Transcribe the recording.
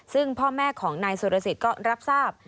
ซึ่งพ่อแม่ของนายสุรสิทธิ์ก็รับทราบ